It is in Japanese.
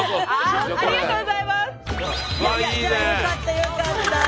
よかったよかった。